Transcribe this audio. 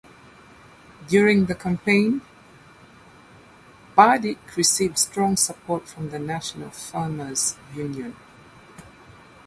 During the campaign, Burdick received strong support from the National Farmers Union.